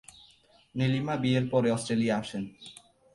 নীলিমা বিয়ের পরে অস্ট্রেলিয়া আসেন।